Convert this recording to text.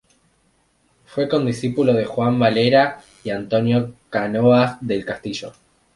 Fue condiscípulo de Juan Valera y Antonio Cánovas del Castillo.